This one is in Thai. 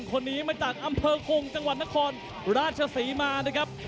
คนนี้มาจากอำเภอคงจังหวัดนครราชศรีมานะครับ